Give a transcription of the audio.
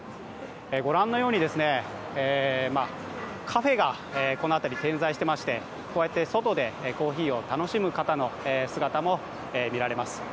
ご覧のように、カフェがこの辺り点在していまして外でコーヒーを楽しむ方の姿も見られます。